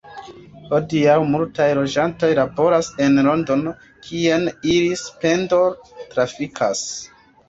Hodiaŭ multaj loĝantoj laboras en Londono, kien ili pendol-trafikas.